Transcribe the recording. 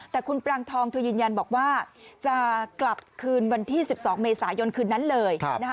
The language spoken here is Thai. แต่คุณปรางทองเธอยืนยันบอกว่าจะกลับคืนวันที่๑๒เมษายนคืนนั้นเลย